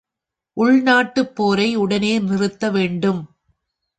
உள் நாட்டுப் போரை உடனே நிறுத்த வேண்டும்.